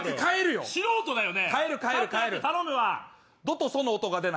素人だよね。